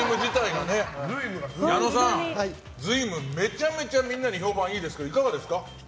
矢野さん、瑞夢めちゃめちゃみんなに評判いいですけどいかがですか？